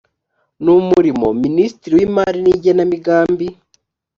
n umurimo minisitiri w imari n igenamigambi